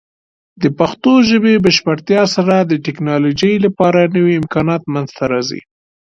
د پښتو ژبې بشپړتیا سره، د ټیکنالوجۍ لپاره نوې امکانات منځته راځي.